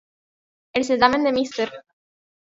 El certamen de Mr.